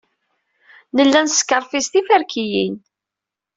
Nella neskerfiẓ tiferkiyin.